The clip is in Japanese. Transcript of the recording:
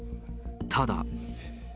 ただ。